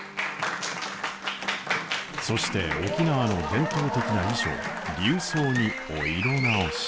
そして沖縄の伝統的な衣装琉装にお色直し。